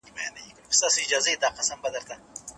انا په یخ ژمي کې بلې خونې ته کډه شوه.